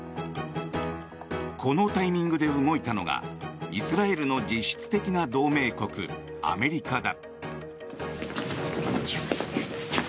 このタイミングで動いたのがイスラエルの実質的な同盟国アメリカだ。